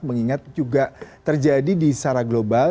mengingat juga terjadi di secara global